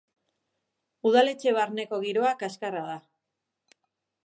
Udaletxe barneko giroa kaxkarra da.